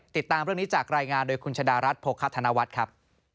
ติดตามเรื่องนี้จากรายงานโดยคุณชะดารัฐโภคธนวัฒน์ครับ